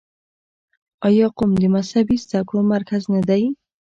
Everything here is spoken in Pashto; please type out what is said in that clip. آیا قم د مذهبي زده کړو مرکز نه دی؟